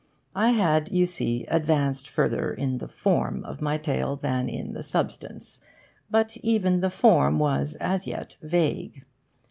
I had, you see, advanced further in the form of my tale than in the substance. But even the form was as yet vague.